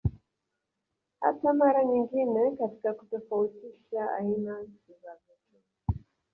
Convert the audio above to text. Hata mara nyingine katika kutofautisha aina za vitu